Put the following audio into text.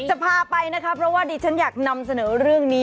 จะพาไปนะคะเพราะว่าดิฉันอยากนำเสนอเรื่องนี้